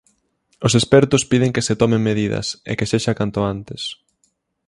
Os expertos piden que se tomen medidas, e que sexa canto antes.